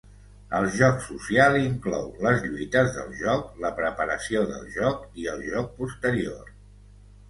El joc social inclou les lluites del joc, la preparació del joc i el joc posterior.